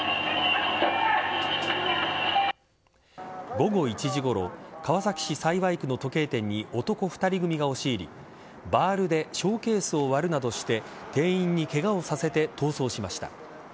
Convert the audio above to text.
午後１時ごろ川崎市幸区の時計店に男２人組が押し入りバールでショーケースを割るなどして店員にケガをさせて逃走しました。